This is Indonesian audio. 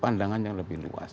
pandangan yang lebih luas